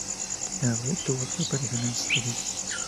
En abril, tuvo otra operación en su tobillo.